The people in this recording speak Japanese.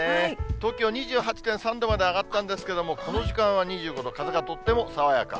東京、２８．３度まで上がったんですけれども、この時間は２５度、風がとっても爽やか。